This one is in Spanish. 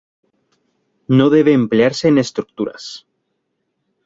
No debe emplearse en estructuras.